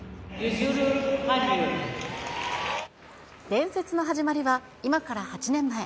伝説の始まりは、今から８年前。